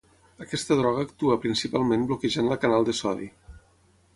Aquesta droga actua principalment bloquejant la canal de sodi.